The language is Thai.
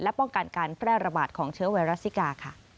ป้องกันการแพร่ระบาดของเชื้อไวรัสซิกาค่ะ